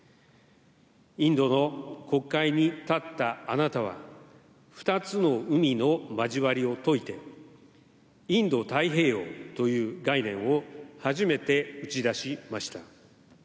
インドの国会に立ったあなたは、２つの海の交わりを解いて、インド太平洋という概念を初めて打ち出しました。